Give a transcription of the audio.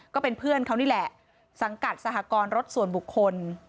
ก็เป็นเพื่อนเขานี่แหละสังกัดสหกรณ์รถส่วนบุคคล